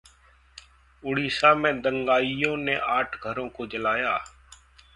उड़ीसा में दंगाइयों ने आठ घरों को जलाया